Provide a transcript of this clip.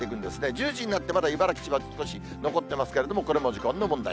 １０時になって、まだ茨城、千葉、少し残ってますけれども、これも時間の問題。